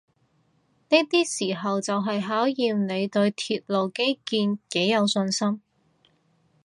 呢啲時候就係考驗你對鐵路基建幾有信心